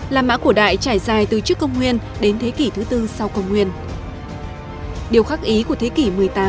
la mã cổ đại trải dài từ trước công nguyên đến thế kỷ thứ tư sau công nguyên điều khác ý của thế kỷ một mươi tám một mươi chín